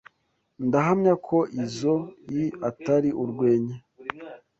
Ndahamya ko izoi atari urwenya.